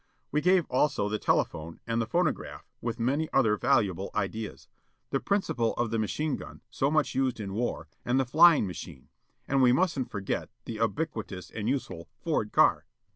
We gave also the telephone, and the phono graph, with many other valuable ideas. The principle of the machine gun, so much used in war; and the flying machine. And we mustn't forget the ubiquitous and useful Ford car.